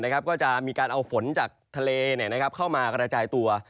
ก็จะมีการเอาฝนจากทะเลเข้ามากระจายตัว